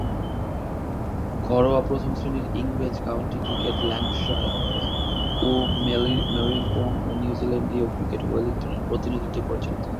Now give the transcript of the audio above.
ঘরোয়া প্রথম-শ্রেণীর ইংরেজ কাউন্টি ক্রিকেটে ল্যাঙ্কাশায়ার ও মেরিলেবোন এবং নিউজিল্যান্ডীয় ক্রিকেটে ওয়েলিংটনের প্রতিনিধিত্ব করেছেন তিনি।